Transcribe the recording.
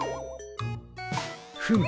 フム。